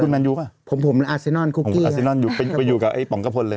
คุณมันอยู่ป่ะผมอาร์เซนอลคุกกี้อาร์เซนอลอยู่กับไอ้ป๋องกะพลเลย